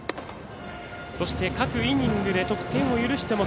そして各イニングで得点を許しても